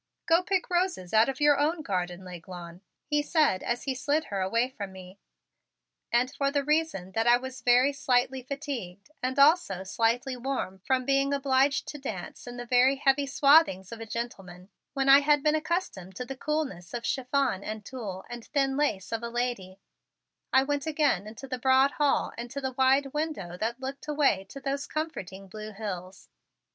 "Go pick roses out of your own garden, L'Aiglon," he said as he slid her away from me. And for the reason that I was very slightly fatigued and also slightly warm from being obliged to dance in the very heavy swathings of a gentleman, when I had been accustomed to the coolness of chiffon and tulle and thin lace of a lady, I went again into the broad hall and to the wide window that looked away to those comforting blue hills.